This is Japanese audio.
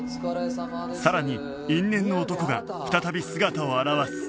さらに因縁の男が再び姿を現す